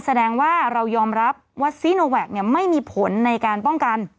แสดงว่าเรายอมรับว่าซีโนแวคไม่มีผลในการป้องกัน